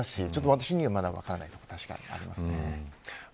私には分からないところが確かにありますね。